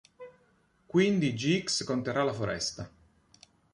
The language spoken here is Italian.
Quindi Gx conterrà la foresta.